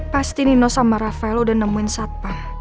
pasti nino sama rafael udah nemuin satpa